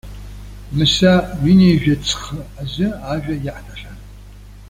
Мыса ҩынҩажәа ҵхы азы ажәа иаҳҭахьан.